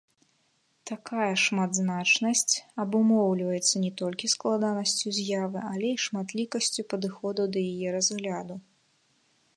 Такая шматзначнасць абумоўліваецца не толькі складанасцю з'явы, але і шматлікасцю падыходаў да яе разгляду.